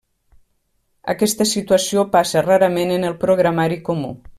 Aquesta situació passa rarament en el programari comú.